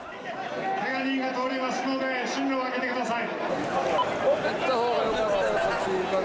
けが人が通りますので、進路を空けてください。